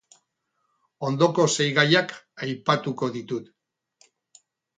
Ondoko sei gaiak aipatuko ditut.